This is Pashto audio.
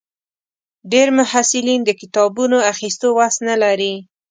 ډېری محصلین د کتابونو اخیستو وس نه لري.